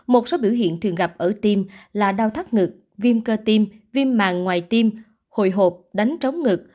một số biểu hiện thường gặp ở tim là đau thắt ngực viêm cơ tim viêm màng ngoài tim hồi hộp đánh trống ngực